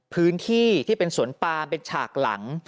พื้นที่ที่เป็นสวนปามเป็นฉากหลัง